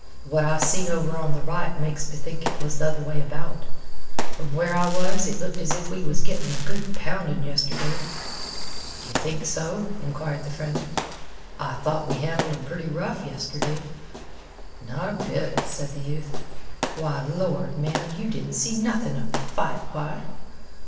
"What I seen over on th' right makes me think it was th' other way about. From where I was, it looked as if we was gettin' a good poundin' yestirday." "D'yeh think so?" inquired the friend. "I thought we handled 'em pretty rough yestirday." "Not a bit," said the youth. "Why, lord, man, you didn't see nothing of the fight. Why!"